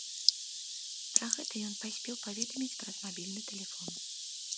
Пра гэта ён паспеў паведаміць праз мабільны тэлефон.